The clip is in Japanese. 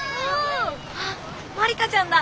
あまりかちゃんだ。